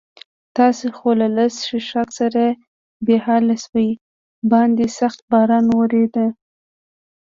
تاسې خو له لږ څښاک سره بې حاله شوي، باندې سخت باران ورېده.